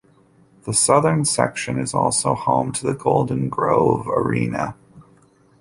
The southern section is also home to the Golden Grove area.